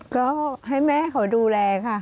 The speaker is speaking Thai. ก็ให้แม่เขาดูแลค่ะ